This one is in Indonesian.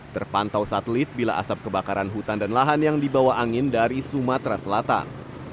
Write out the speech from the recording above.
terpantau satelit bila asap kebakaran hutan dan lahan yang dibawa angin dari sumatera selatan